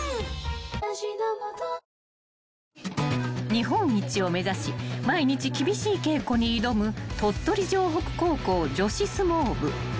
［日本一を目指し毎日厳しい稽古に挑む鳥取城北高校女子相撲部］